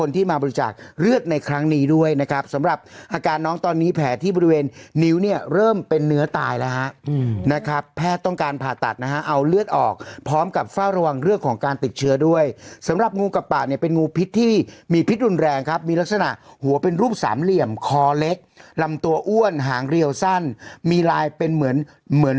ที่มาบริจาคเลือดในครั้งนี้ด้วยนะครับสำหรับอาการน้องตอนนี้แผลที่บริเวณนิ้วเนี่ยเริ่มเป็นเนื้อตายแล้วฮะอืมนะครับแพทย์ต้องการผ่าตัดนะฮะเอาเลือดออกพร้อมกับฝ่าระวังเลือดของการติดเชื้อด้วยสำหรับงูกับปะเนี่ยเป็นงูพิษที่มีพิษอุ่นแรงครับมีลักษณะหัวเป็นรูปสามเห